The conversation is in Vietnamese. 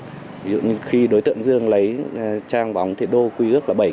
ví dụ như khi đối tượng dương lấy trang bóng thì đô quy ước là bảy